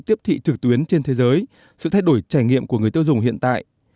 tiếp thị trực tuyến trên thế giới sự thay đổi trải nghiệm của người tiêu dùng hiện tại